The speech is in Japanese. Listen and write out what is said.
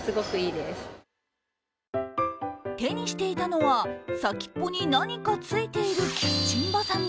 手にしていたのは、先っぽに何かついているキッチンばさみ。